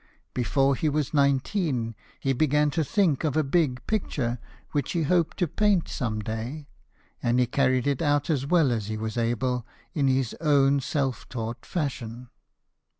Before he was nineteen, he began to think of a big picture which he hoped to paint some day ; and he carried it out as well as he was able in his own self taught fashion.